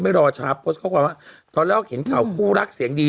ไม่รอชาบเขาบอกว่าพอแล้วเข็นข่าวคู่รักเสียงดี